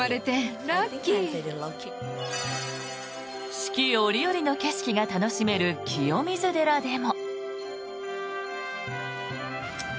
四季折々の景色が楽しめる清水寺でも。